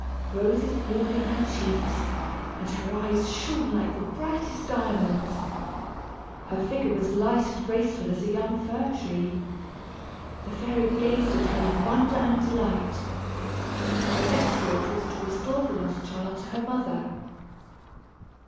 Roses bloomed in her cheeks, and her eyes shone like the brightest diamonds. Her figure was light and graceful as a young fir tree. The fairy gazed at her in wonder and delight. Her next thought was to restore the lost child to her mother.